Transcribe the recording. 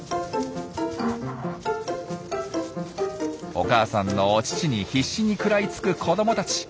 お母さんのお乳に必死に食らいつく子どもたち。